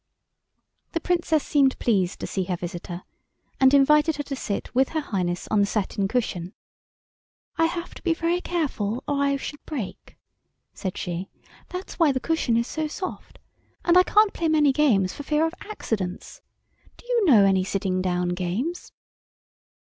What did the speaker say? The Princess seemed pleased to see her visitor, and invited her to sit with Her Highness on the satin cushion. "I have to be very careful or I should break," said she; "that's why the cushion is so soft, and I can't play many games for fear of accidents. Do you know any sitting down games?"